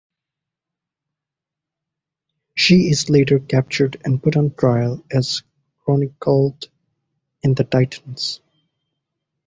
She is later captured and put on trial, as chronicled in "The Titans".